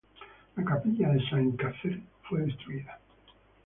La capilla de Sainte-Catherine fue destruida.